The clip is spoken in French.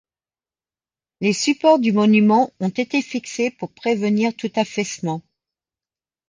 Les supports du monument ont été fixés pour prévenir tout affaissement.